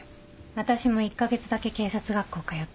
私も１カ月だけ警察学校通った。